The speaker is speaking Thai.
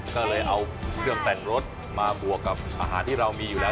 ก็เลยเอาเครื่องแต่งรถมาบวกกับอาหารที่เรามีอยู่แล้ว